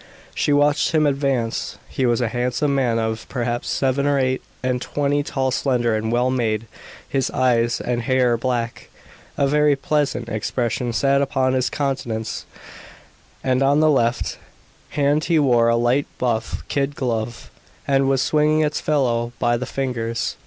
She watched him advance! He was a handsome man of, perhaps, seven or eight and twenty, tall, slender and well made, his eyes and hair black. A very pleasant expression sat upon his countenance; and on the left hand he wore a light buff kid glove, and was swinging its fellow by the fingers.